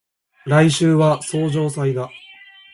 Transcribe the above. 来週は相生祭だ